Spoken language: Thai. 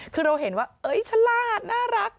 คือเราเห็นว่าฉลาดน่ารัก